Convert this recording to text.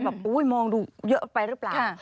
แบบอุ๊ยมองดูเยอะไปหรือเปล่า